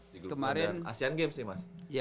kemarin asean games nih mas